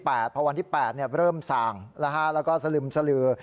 พอวันที่๘เนี่ยเริ่มสั่งแล้วฮะแล้วก็สลึมสลือ